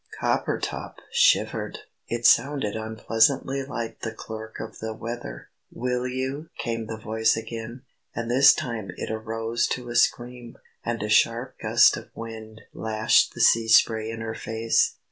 Coppertop shivered! It sounded unpleasantly like the Clerk of the Weather. "Will you?" came the voice again. And this time it arose to a scream. And a sharp gust of wind lashed the sea spray in her face.